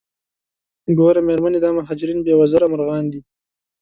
ګوره میرمنې دا مهاجرین بې وزره مرغان دي.